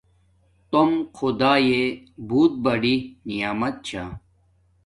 توم خداݵݵ بوت بڑی نعمیت چھا